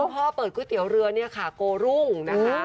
พ่อเปิดก๋วยเตี๋ยวเรือเนี่ยค่ะโกรุ่งนะคะ